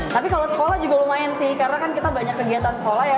tapi kalau sekolah juga lumayan sih karena kan kita banyak kegiatan sekolah ya